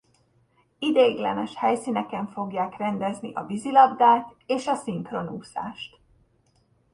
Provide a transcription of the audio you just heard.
Ideiglenes helyszíneken fogják rendezni a vízilabdát és a szinkronúszást.